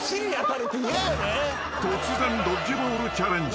［突然ドッジボールチャレンジ。